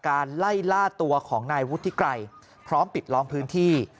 ไล่ล่าตัวของนายวุฒิไกรพร้อมปิดล้อมพื้นที่